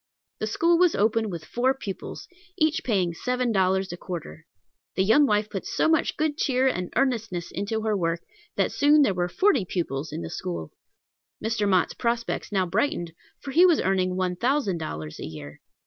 The school was opened with four pupils, each paying seven dollars a quarter. The young wife put so much good cheer and earnestness into her work, that soon there were forty pupils in the school. Mr. Mott's prospects now brightened, for he was earning one thousand dollars a year.